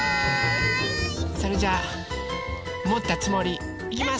それじゃあもったつもり。いきます。